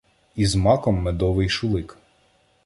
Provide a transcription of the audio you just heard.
І з маком медовий шулик.